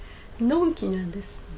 のん気なんです。